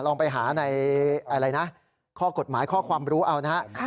ลองไปหาในอะไรนะข้อกฎหมายข้อความรู้เอานะครับ